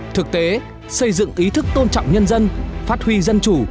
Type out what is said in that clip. thực tế xây dựng ý thức tôn trọng nhân dân phát huy dân chủ